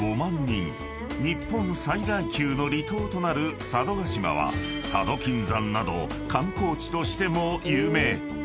［日本最大級の離島となる佐渡島は佐渡金山など観光地としても有名］